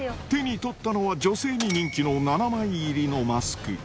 手に取ったのは、女性に人気の７枚入りのマスク。